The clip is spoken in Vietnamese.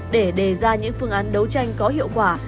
để đề ra những phương án đấu tranh có hiệu quả